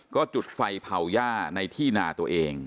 ก็จุดไฟเผาย่าในที่นาตัวเอง